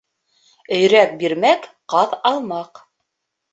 Өйрәк бирмәк, ҡаҙ алмаҡ.